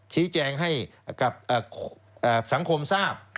ชี้แจงให้กับสังคมทราบ